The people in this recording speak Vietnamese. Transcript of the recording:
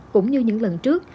cũng như những lần trước